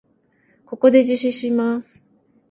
ここで自首します。